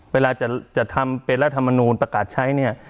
เวลาจะทำเป็นรัฐมนูลประกาศใช้เนี่ย